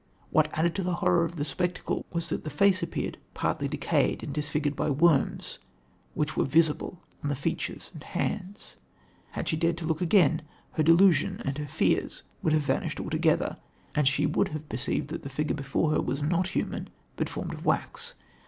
What added to the horror of the spectacle was that the face appeared partly decayed and disfigured by worms, which were visible on the features and hands... Had she dared to look again, her delusion and her fears would have vanished together, and she would have perceived that the figure before her was not human, but formed of wax...